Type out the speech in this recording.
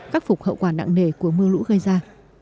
khắc phục hậu quả nặng nề của mưa lũ gây ra